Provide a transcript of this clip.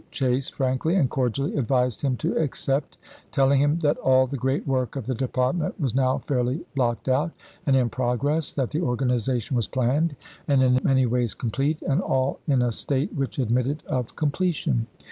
Chase frankly and cordially advised him to accept, telling him that all the great work of the department was now fairly blocked out and in progress, that the organization was planned and in many ways complete, and all in a state which admitted of completion.